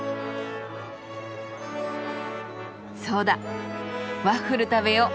そうだワッフル食べよう。